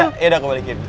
ya udah ya udah aku balikin